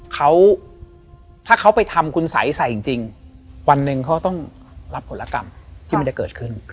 เขาถ้าเขาไปทำคุณสัยใส่จริงวันหนึ่งเขาต้องรับผลกรรมที่มันจะเกิดขึ้น